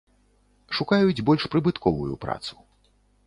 Шукаюць больш прыбытковую працу.